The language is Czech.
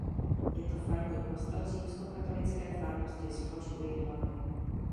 Je to farní kostel římskokatolické farnosti Zhoř u Jihlavy.